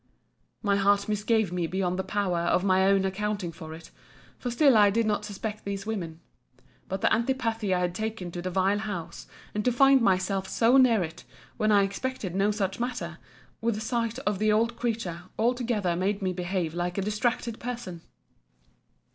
My heart misgave me beyond the power of my own accounting for it; for still I did not suspect these women. But the antipathy I had taken to the vile house, and to find myself so near it, when I expected no such matter, with the sight of the old creature, all together made me behave like a distracted person.